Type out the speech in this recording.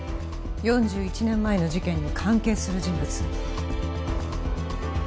４１年前の事件に関係する人物